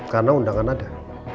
karena undangan ada